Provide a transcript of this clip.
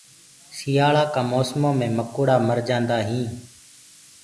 سِيآݪآ ڪآ موسمو مينٚ مڪوڙآ مر جآندآ هينٚ۔